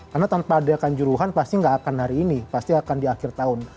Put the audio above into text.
karena tanpa adekan juruhan pasti nggak akan hari ini pasti akan di akhir tahun